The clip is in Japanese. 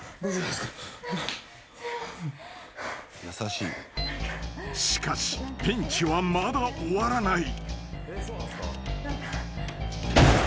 ［しかしピンチはまだ終わらない］・・